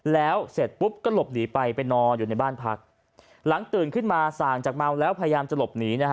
แล้วเสร็จปุ๊บก็หลบหนีไปไปนอนอยู่ในบ้านพักหลังตื่นขึ้นมาส่างจากเมาแล้วพยายามจะหลบหนี